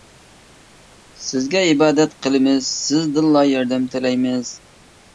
سىزگە ئىبادەت قىلىمىز، سىزدىنلا ياردەم تىلەيمىز.